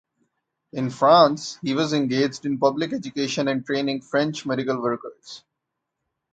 In France he was engaged in public education and training French medical workers.